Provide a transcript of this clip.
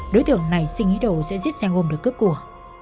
đối tượng này xinh ý đồ sẽ giết sang hồn được cướp của